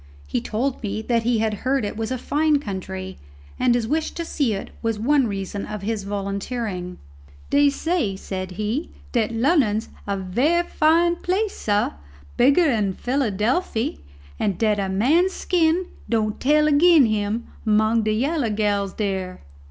He told me that he had heard it was a fine country, and his wish to see it was one reason of his volunteering. "Dey say," said he, "dat Lunnon's a very fine place, sah, bigger dan Philadelphy, and dat a man's skin don' tell agin him among de yaller gals dere."